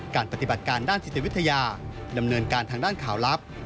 การปฏิบัติการด้านจิตวิทยาดำเนินการทางด้านข่าวลับ